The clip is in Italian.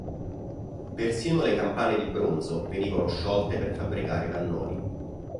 Persino le campane di bronzo venivano sciolte per fabbricare cannoni.